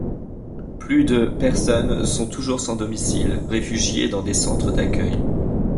Plus de personnes sont toujours sans domicile, réfugiées dans des centres d'accueil.